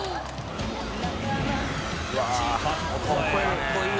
かっこいい。